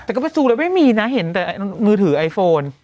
แต่ก็ประตูแล้วไม่มีนะเห็นแต่มือถือไอโฟน